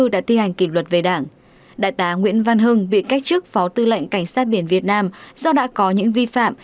đại tá nguyễn văn hưng bị cách chức phó tư lệnh cảnh sát biển việt nam do đã có những vi phạm